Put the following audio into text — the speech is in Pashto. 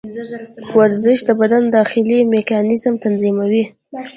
ورزش د بدن داخلي میکانیزم تنظیموي.